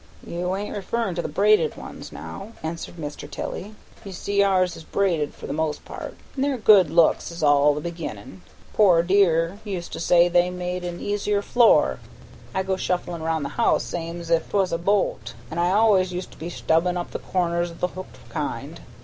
"You ain't referrin' to the braided ones now?" answered Mr. Tilley. "You see ours is braided for the most part, an' their good looks is all in the beginnin'. Poor dear used to say they made an easier floor. I go shufflin' round the house same's if 'twas a bo't, and I always used to be stubbin' up the corners o' the hooked kind.